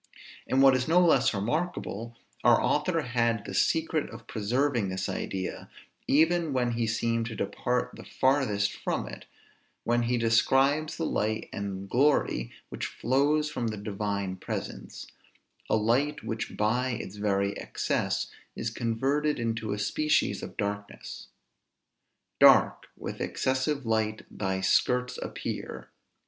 And what is no less remarkable, our author had the secret of preserving this idea, even when he seemed to depart the farthest from it, when he describes the light and glory which flows from the Divine presence; a light which by its very excess is converted into a species of darkness: "Dark with excessive light thy skirts appear."